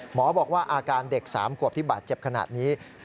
บอกว่าอาการเด็ก๓ขวบที่บาดเจ็บขนาดนี้